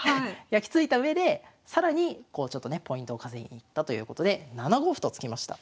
やきついたうえで更にこうちょっとねポイントを稼ぎに行ったということで７五歩と突きました。